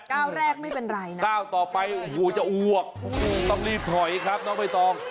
ก้าวแรกไม่เป็นไรนะก้าวต่อไปโอ้โหจะอวกต้องรีบถอยครับน้องใบตอง